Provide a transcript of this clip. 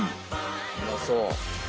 うまそう！